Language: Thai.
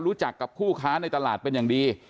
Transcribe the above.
รู้จักกับผู้ค้าในตลาดเป็นอย่างดี